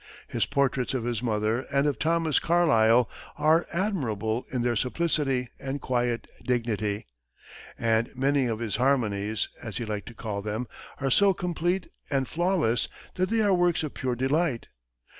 His portraits of his mother and of Thomas Carlyle are admirable in their simplicity and quiet dignity; and many of his "harmonies," as he liked to call them, are so complete and flawless that they are works of pure delight.